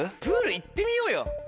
プール行ってみようよ。